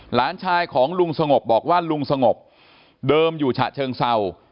หลานชายของลุงสงบบอกว่าลุงสงบเดิมอยู่ฉะเชิงเศร้า